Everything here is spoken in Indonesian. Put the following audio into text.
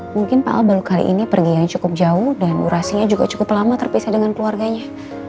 mungkin pak al baru kali ini pergi yang cukup jauh dan durasinya juga cukup lama terpisah dengan keluarganya